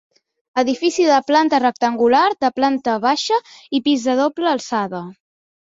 Edifici de planta rectangular, de planta baixa i pis de doble alçada.